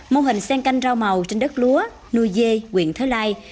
mô hình sen canh rau màu trên đất lúa nuôi dê quyện thới lai